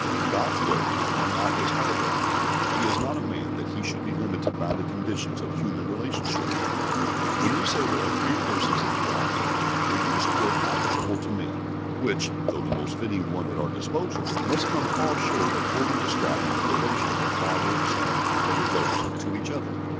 God's ways are not as our ways. He is not a man that He should be limited by the conditions of human relationships. When we say there are three Persons in the Godhead, we use a word applicable to men, which, though the most fitting one at our disposal, must come far short of fully describing the relations of Father, Son, and Holy Ghost to each other.